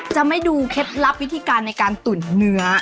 จะไม่ดูเคล็ดลับวิธีการในการตุ๋นเนื้อ